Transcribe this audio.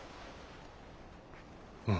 うん。